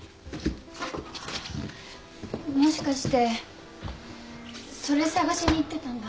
もしかしてそれ探しに行ってたんだ。